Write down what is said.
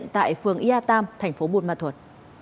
tại phường ia tam thành phố buôn ma thuật